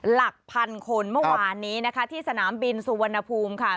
หลักพันคนเมื่อวานนี้นะคะที่สนามบินสุวรรณภูมิค่ะ